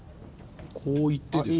こういってですよ